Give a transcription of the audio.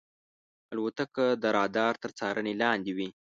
الوتکه د رادار تر څارنې لاندې وي.